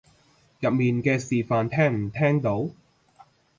入面嘅示範聽唔聽到？